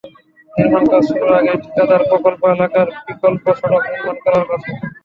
নির্মাণকাজ শুরুর আগে ঠিকাদার প্রকল্প এলাকায় বিকল্প সড়ক নির্মাণ করার কথা।